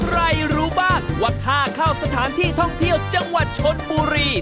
รู้บ้างว่าค่าเข้าสถานที่ท่องเที่ยวจังหวัดชนบุรี